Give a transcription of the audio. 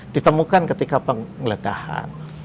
ditemukan ketika pengledahan